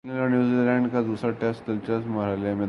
England اور New Zealand کا دوسرا ٹیسٹ دلچسپ مرحلے میں داخل